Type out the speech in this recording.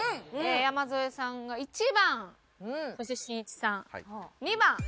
山添さんが１番そしてしんいちさん２番。